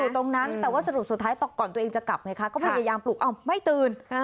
แต่ว่าสรุปสุดท้ายต่อก่อนตัวเองจะกลับไหมคะก็พยายามปลุกอ้าวไม่ตื่น